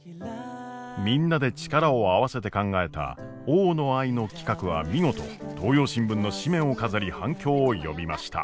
みんなで力を合わせて考えた大野愛の企画は見事東洋新聞の紙面を飾り反響を呼びました。